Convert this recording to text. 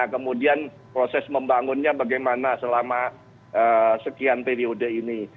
kemudian proses membangunnya bagaimana selama sekian periode ini